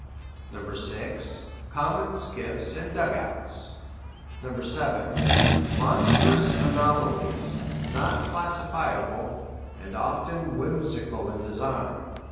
(6) Common skiffs and dug outs. (7) "Monstrous anomalies," not classifiable, and often whimsical in design.